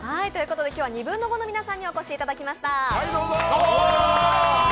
今日はニブンノゴ！の皆さんにお越しいただきました。